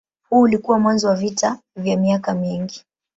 Huu ulikuwa mwanzo wa vita vya miaka mingi.